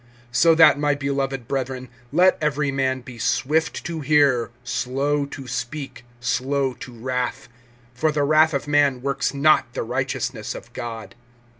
(19)So that, my beloved brethren, let every man be swift to hear, slow to speak, slow to wrath; (20)for the wrath of man works not the righteousness of God.